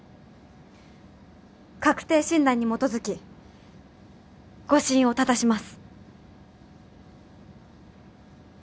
確定診断に基づき誤診を正します。